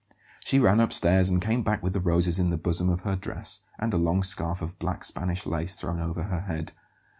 She ran upstairs, and came back with the roses in the bosom of her dress, and a long scarf of black Spanish lace thrown over her head.